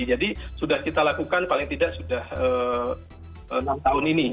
jadi sudah kita lakukan paling tidak sudah enam tahun ini